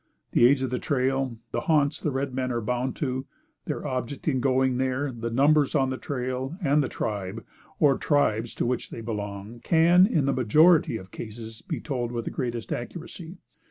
The age of the trail, the haunts the red men are bound to, their object in going there, the numbers on the trail, and the tribe, or tribes to which they belong, can, in the majority of cases, be told with the greatest accuracy.